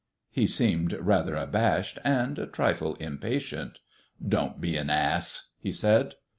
He seemed rather abashed, and a trifle impatient. "Don't be an ass," he said.